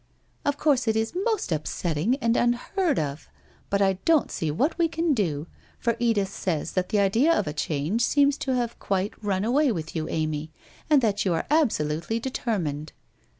' Of course, it is most upsetting and unheard of, but I don't see what we can do, for Edith says that the idea of a change seems to have quite run away with you, Amy, and that you are absolutely determined.'